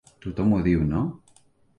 Tothom ho diu, no?